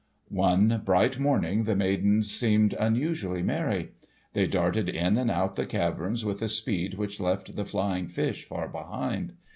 One bright morning the maidens seemed unusually merry. They darted in and out the caverns with a speed which left the flying fish far behind.